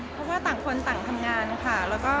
เพราะว่าต่างคนต่างทำงานค่ะ